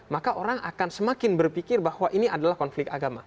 maka orang akan semakin berpikir bahwa ini adalah konflik agama